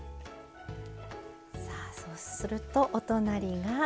さあそうするとお隣が。